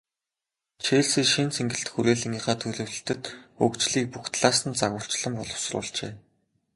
Челси шинэ цэнгэлдэх хүрээлэнгийнхээ төлөвлөлт, хөгжлийг бүх талаас нь загварчлан боловсруулжээ.